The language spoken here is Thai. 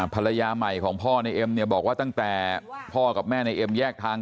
ภรรยาใหม่ของพ่อในเอ็มเนี่ยบอกว่าตั้งแต่พ่อกับแม่ในเอ็มแยกทาง